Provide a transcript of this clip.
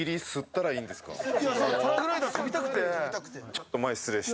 ちょっと前を失礼して。